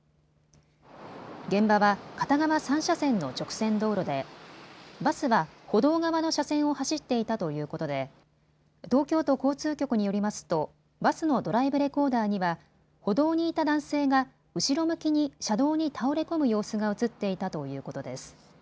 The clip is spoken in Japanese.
現場は片側３車線の直線道路でバスは歩道側の車線を走っていたということで東京都交通局によりますとバスのドライブレコーダーには歩道にいた男性が後ろ向きに車道に倒れ込む様子が映っていたということです。